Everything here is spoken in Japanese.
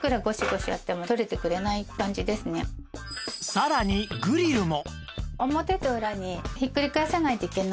さらにグリルも